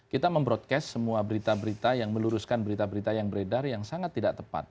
kita mem broadcast semua berita berita yang meluruskan berita berita yang beredar yang sangat tidak tepat